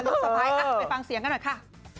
รู้สึกสบายค่ะไปฟังเสียงกันหน่อยค่ะ